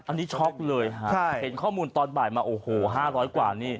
อันนี้ช็อกเลยฮะเห็นข้อมูลตอนบ่ายมาโอ้โห๕๐๐กว่านี่